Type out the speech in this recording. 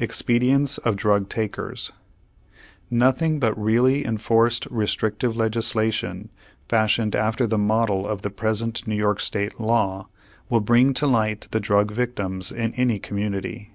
EXPEDIENTS OF DRUG TAKERS Nothing but really enforced restrictive legislation, fashioned after the model of the present New York State law, will bring to light the drug victims in any community.